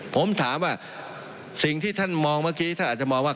ผมถามว่าสิ่งที่ท่านมองเมื่อกี้ท่านอาจจะมองว่า